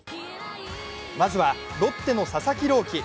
まずはロッテの佐々木朗希。